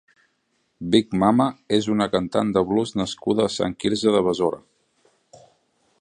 Big Mama és una cantant de blues nascuda a Sant Quirze de Besora.